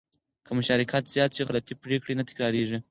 که مشارکت زیات شي، غلطې پرېکړې نه تکرارېږي.